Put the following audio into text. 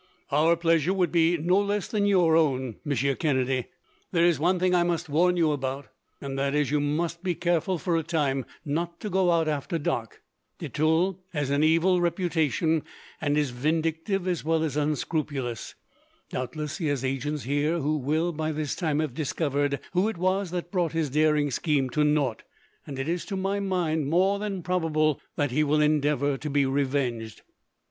"Our pleasure would be no less than your own, Monsieur Kennedy. "There is one thing I must warn you about, and that is, you must be careful for a time not to go out after dark. De Tulle has an evil reputation, and is vindictive as well as unscrupulous. Doubtless, he has agents here who will, by this time, have discovered who it was that brought his daring scheme to naught; and it is, to my mind, more than probable that he will endeavour to be revenged."